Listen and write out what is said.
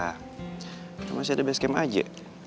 kita masih ada basecamp aja